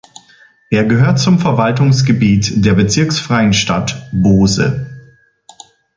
Er gehört zum Verwaltungsgebiet der bezirksfreien Stadt Bose.